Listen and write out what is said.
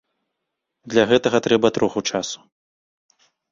Для гэтага трэба троху часу.